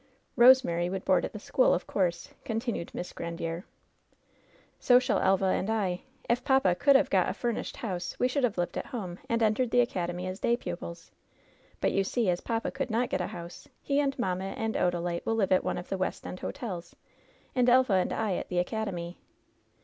^TRosemary would board at the school, of course," con tinued Miss Grandiere. "So shall Elva and I. If papa could have got a fur 24 LOVE'S BITTEREST CUP nished house we should have lived at home, and entered the academy as day pupils; but, you see, as papa could not get a house he and mamma and Odalite will live at one of the West End hotels, and Elva and I at the academy."